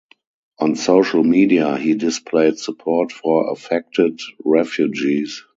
On social media, he displayed support for affected refugees.